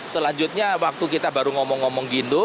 selanjutnya waktu kita baru ngomong ngomong gindo